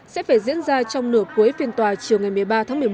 sẽ phải diễn ra trong nửa cuối phiên tòa chiều ngày một mươi ba tháng một mươi một